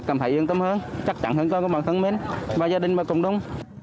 cảm thấy yên tâm hơn chắc chắn hơn của bản thân mình và gia đình và cộng đồng